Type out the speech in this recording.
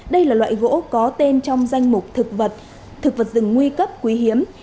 cái gỗ có tên trong danh mục thực vật thực vật rừng nguy cấp quý hiếm